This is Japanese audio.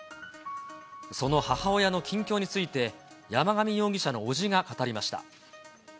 その母親の近況について、山上容疑者の伯父が語りました。